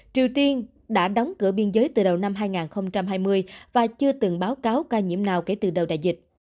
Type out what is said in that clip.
triều tiên đã đóng cửa biên giới từ đầu năm hai nghìn hai mươi và chưa từng báo cáo ca nhiễm nào kể từ đầu đại dịch